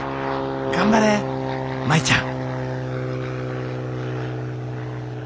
頑張れ舞ちゃん！